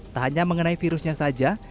tak hanya mengenai virusnya saja